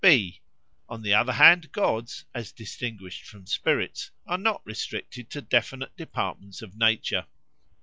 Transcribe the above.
(b) On the other hand gods, as distinguished from spirits, are not restricted to definite departments of nature.